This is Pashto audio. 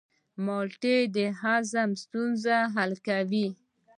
مالټه د هاضمې ستونزې حل کوي.